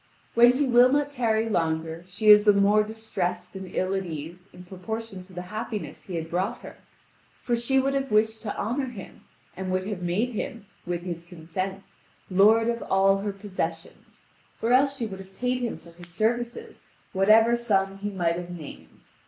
When he will not tarry longer she is the more distressed and ill at ease in proportion to the happiness he had brought to her, for she would have wished to honour him, and would have made him, with his consent, lord of all her possessions, or else she would have paid him for his services whatever sum he might have named.